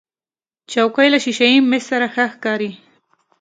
چوکۍ له شیشهيي میز سره ښه ښکاري.